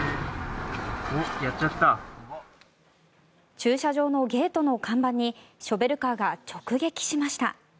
駐車場のゲートの看板にショベルカーが直撃しました。